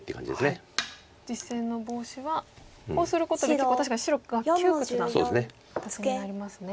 実戦のボウシはこうすることで結構確かに白が窮屈な形になりますね。